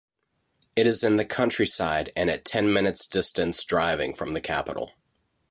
It is in the countryside and at ten minutes distance driving from the capital.